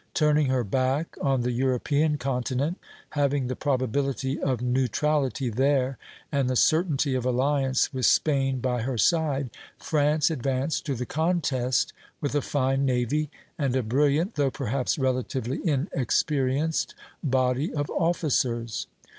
Turning her back on the European continent, having the probability of neutrality there, and the certainty of alliance with Spain by her side, France advanced to the contest with a fine navy and a brilliant, though perhaps relatively inexperienced, body of officers.